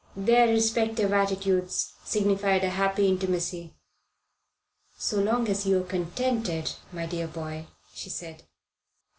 Their respective attitudes signified a happy intimacy. "So long as you're contented, my dear boy " she said.